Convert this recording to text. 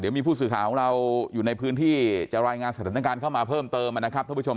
มีผู้สื่อข่าวของเราอยู่ในพื้นที่จะรายงานสถานการณ์เข้ามาเพิ่มเติมนะครับท่านผู้ชม